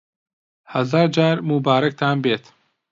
هەزار جار موبارەکتان بێت